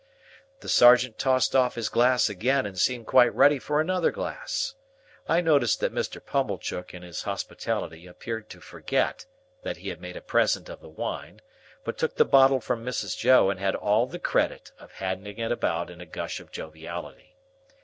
The sergeant tossed off his glass again and seemed quite ready for another glass. I noticed that Mr. Pumblechook in his hospitality appeared to forget that he had made a present of the wine, but took the bottle from Mrs. Joe and had all the credit of handing it about in a gush of joviality.